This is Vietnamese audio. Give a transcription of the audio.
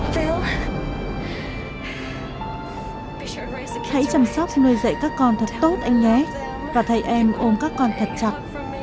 hãy chăm sóc nuôi dạy các con thật tốt anh nhé và thầy em ôm các con thật chặt